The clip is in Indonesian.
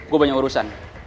gue banyak urusan